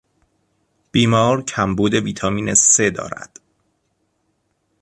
بیمار کمبود ویتامین ث دارد.